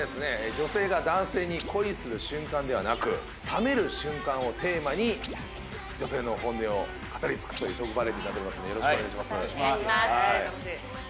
女性が男性に恋する瞬間ではなく冷める瞬間をテーマに女性の本音を語り尽くすというトークバラエティになっておりますのでよろしくお願いします